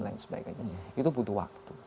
itu butuh waktu